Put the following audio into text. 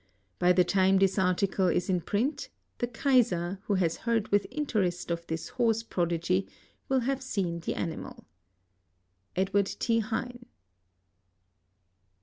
By the time'thl* article is in print tbe Kaiser, who has beard with interest of this horse prodigy, wIH hav* seen tl^ animal. E3>WARD T. H5ITK.'